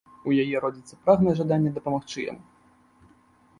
У яе родзіцца прагнае жаданне дапамагчы яму.